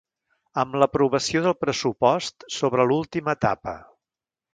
Amb l’aprovació del pressupost s’obre l’última etapa.